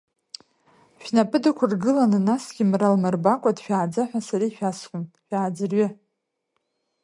Шәнапы дықәыргыланы, насгьы мра лмырбакәа, дшәааӡа ҳәа сара ишәасҳәом, шәааӡырҩы!